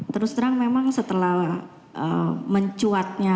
terus terang memang setelah mencuatnya